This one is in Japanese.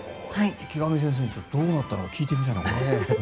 池上先生にどうなったのか聞いてみたい。